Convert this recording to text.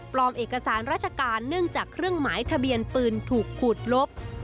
เอกสารราชการเนื่องจากเครื่องหมายทะเบียนปืนถูกขูดลบ